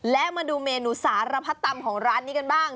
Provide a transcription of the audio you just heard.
และมาดูเมนูสารพัดตำของร้านนี้กันบ้าง